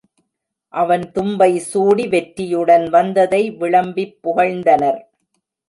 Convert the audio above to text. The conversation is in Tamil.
அவன் தும்பை சூடி வெற்றியுடன் வந்ததை விளம்பிப் புகழ்ந்தனர்.